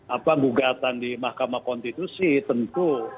apa gugatan di mahkamah konstitusi tentu